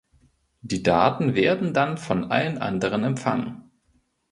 Die Daten werden dann von allen anderen empfangen.